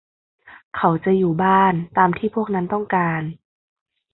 เขาจะอยู่บ้าน ตามที่พวกนั้นต้องการ